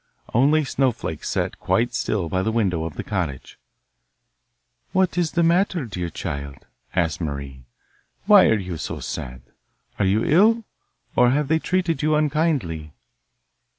Only Snowflake sat quite still by the window of the cottage. 'What is the matter, dear child?' asked Marie. 'Why are you so sad? Are you ill? or have they treated you unkindly?